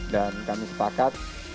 dan kami sepakat